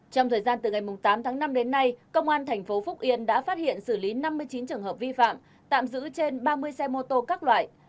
trong thời gian từ ngày tám tháng năm đến nay công an thành phố phúc yên đã phát hiện xử lý năm mươi chín trường hợp vi phạm tạm giữ trên ba mươi xe mô tô các loại